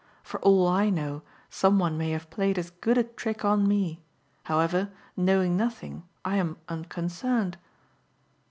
For all I know, some one may have played as good a trick on me; however, knowing nothing, I am unconcerned."